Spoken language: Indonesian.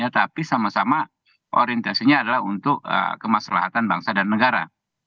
tapi sama sama orientasinya adalah untuk kemaslahatan bangsa dan negara